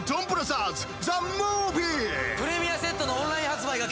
プレミアセットのオンライン発売が決定！